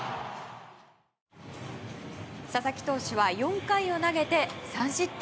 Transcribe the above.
佐々木投手は４回を投げて３失点。